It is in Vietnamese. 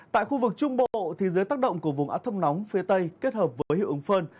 tại khu vực trung bộ thì dưới tác động của vùng át thông nóng phía tây kết hợp với hiệu ứng phân